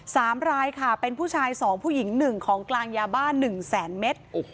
สามรายค่ะเป็นผู้ชายสองผู้หญิงหนึ่งของกลางยาบ้าหนึ่งแสนเมตรโอ้โห